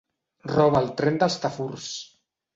Roba el tren dels tafurs.